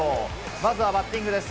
まずはバッティングです。